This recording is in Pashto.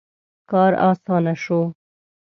• کار آسانه شو.